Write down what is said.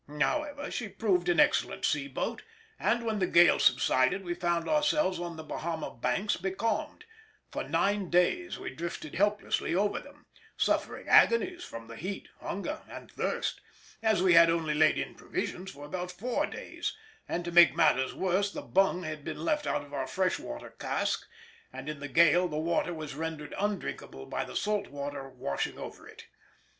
However, she proved an excellent sea boat, and when the gale subsided we found ourselves on the Bahama banks becalmed; for nine days we drifted helplessly over them, suffering agonies from the heat, hunger, and thirst, as we had only laid in provisions for about four days, and to make matters worse the bung had been left out of our freshwater cask and in the gale the water was rendered undrinkable by the salt water washing over it.